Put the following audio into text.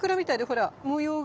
ほら模様が。